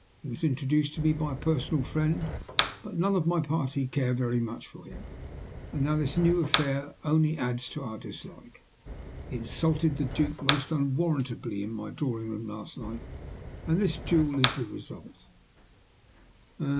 "He was introduced to me by a personal friend, but none of my party care very much for him. And now this new affair only adds to our dislike. He insulted the Duke most unwarrantably in my drawing room last night, and this duel is the result."